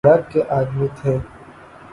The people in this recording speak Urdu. دھڑلے کے آدمی تھے۔